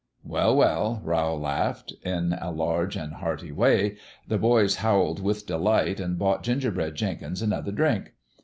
" Well, well 1 " Rowl laughed, in a large and hearty way, "the boys howled with delight an' bought Gingerbread Jenkins another drink."